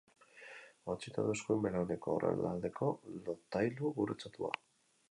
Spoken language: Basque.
Hautsita du eskuin belauneko aurrealdeko lotailu gurutzatua.